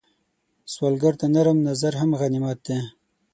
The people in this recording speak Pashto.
سوالګر ته نرم نظر هم غنیمت دی